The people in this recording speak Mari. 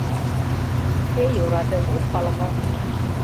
— Эй, ораде, от пале мо?